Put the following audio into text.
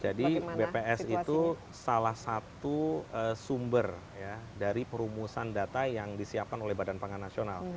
jadi bps itu salah satu sumber dari perumusan data yang disiapkan oleh badan pangan nasional